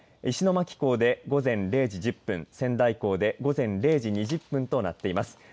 石巻港で午前０時１０分仙台港で午前０時２０分となっています。